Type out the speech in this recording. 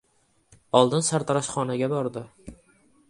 Oldin sartaroshxonaga bordi.